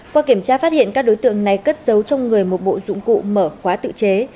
qua kiểm tra phát hiện các đối tượng này cất giấu trong người một bộ dụng cụ mở khóa tự chế